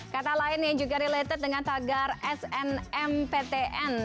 kata lainnya juga related dengan tagar snmptn